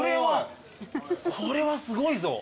これはすごいぞ。